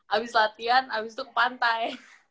abis latihan abis itu ke pantai